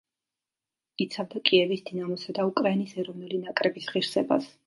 იცავდა კიევის „დინამოსა“ და უკრაინის ეროვნული ნაკრების ღირსებას.